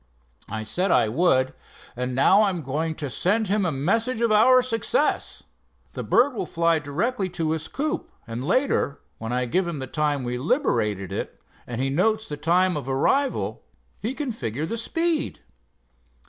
I said I would, and now I am going to send him a message of our success. The bird will fly directly to his coop, and later, when I give him the time we liberated it, and he notes the time of arrival, he can figure the speed."